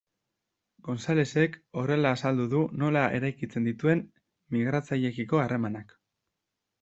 Gonzalezek horrela azaldu du nola eraikitzen dituen migratzaileekiko harremanak.